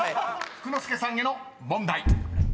［福之助さんへの問題］